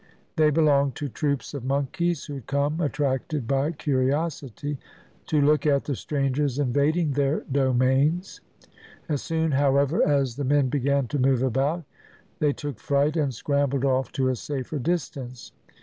They belonged to troops of monkeys who had come, attracted by curiosity, to look at the strangers invading their domains. As soon, however, as the men began to move about they took fright and scrambled off to a safer distance.